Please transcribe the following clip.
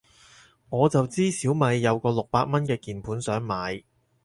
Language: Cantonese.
我就知小米有個六百蚊嘅鍵盤想買